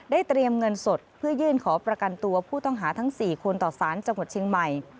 เตรียมเงินสดเพื่อยื่นขอประกันตัวผู้ต้องหาทั้ง๔คนต่อสารจังหวัดเชียงใหม่